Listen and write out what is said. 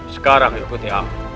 sekarang ikuti aku